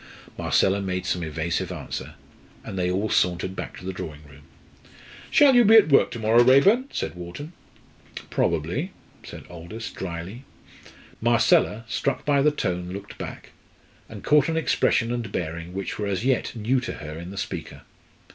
Marcella made some evasive answer, and they all sauntered back to the drawing room. "Shall you be at work to morrow, Raeburn?" said Wharton. "Probably," said Aldous drily. Marcella, struck by the tone, looked back, and caught an expression and bearing which were as yet new to her in the speaker.